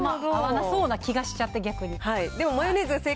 なんか合わなそうな気がしちゃって、逆に。